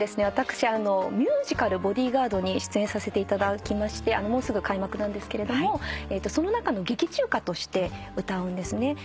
私ミュージカル『ボディガード』に出演させていただきましてもうすぐ開幕なんですけれどもその中の劇中歌として歌うんですね。